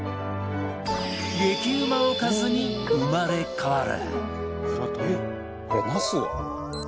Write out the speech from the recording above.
激うまおかずに生まれ変わる